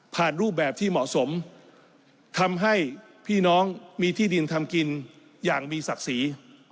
รูปแบบที่เหมาะสมทำให้พี่น้องมีที่ดินทำกินอย่างมีศักดิ์ศรี